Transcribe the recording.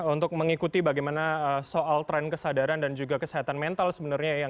untuk mengikuti bagaimana soal tren kesadaran dan juga kesehatan mental sebenarnya